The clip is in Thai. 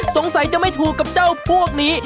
สงสัยจะไม่ถูกกับเจ้าพวกนี้